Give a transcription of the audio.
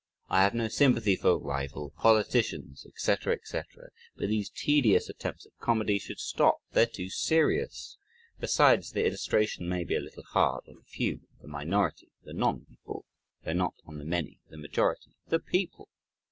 I have no sympathy for (rival) politicians," etc., etc. But these tedious attempts at comedy should stop, they're too serious, besides the illustration may be a little hard on a few, the minority (the non people) though not on the many, the majority (the people)!